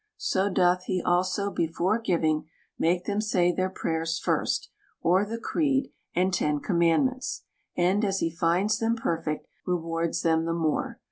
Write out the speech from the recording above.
So doth he also, before giving, make them say their prayers first, or the creed, and ten com mandments ; and, as he finds them perfect, rewards them the more.